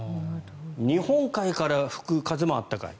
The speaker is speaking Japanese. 日本海から吹く風も暖かい。